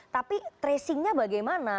tapi tracingnya bagaimana